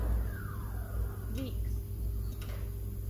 Dīks.